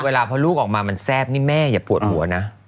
เวลาพอลูกออกมามันแซ่บนี่แม่อย่าปวดหัวนะ